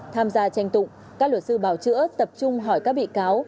tham gia tranh tụng các luật sư bào chữa tập trung hỏi các bị cáo